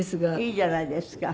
いいじゃないですか。